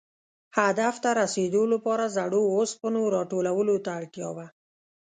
هدف ته رسېدو لپاره زړو اوسپنو را ټولولو ته اړتیا وه.